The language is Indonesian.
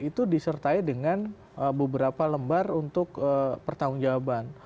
itu disertai dengan beberapa lembar untuk pertanggung jawaban